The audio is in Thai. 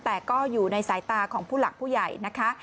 แต่ก็อยู่ในสายตาของผู้หลักผู้ใหญ่นะคะ